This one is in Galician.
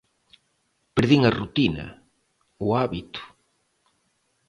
Perdín a rutina, o hábito.